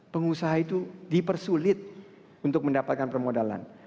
pengusaha itu dipersulit untuk mendapatkan permodalan